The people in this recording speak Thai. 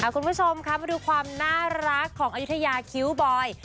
คุณผู้ชมค่ะมาดูความน่ารักของอายุทยาคิ้วบอย